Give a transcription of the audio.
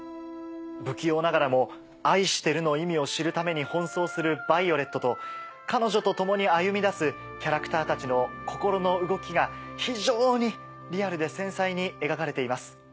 不器用ながらも「愛してる」の意味を知るために奔走するヴァイオレットと彼女と共に歩みだすキャラクターたちの心の動きが非常にリアルで繊細に描かれています。